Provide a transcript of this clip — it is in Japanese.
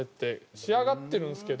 仕上がってるんですけど。